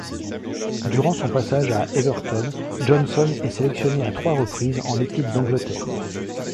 Durant son passage à Everton, Johnson est sélectionné à trois reprises en équipe d'Angleterre.